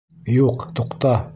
Юҡ, туҡта!..